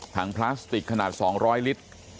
พลาสติกขนาด๒๐๐ลิตร